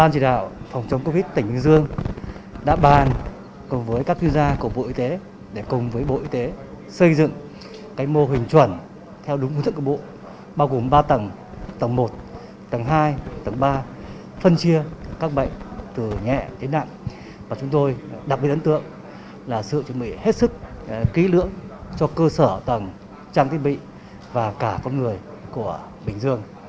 chúng tôi đặc biệt ấn tượng là sự chuẩn bị hết sức ký lưỡng cho cơ sở tầng trang thiết bị và cả con người của bình dương